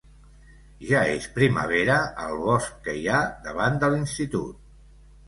Ja és primavera al bosc que hi ha davant de l'Institut.